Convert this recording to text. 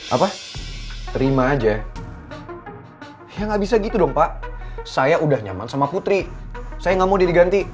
apa terima aja ya nggak bisa gitu dong pak saya udah nyaman sama putri saya nggak mau diganti